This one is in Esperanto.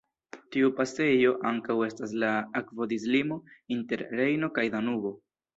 Tiu pasejo ankaŭ estas la akvodislimo inter Rejno kaj Danubo.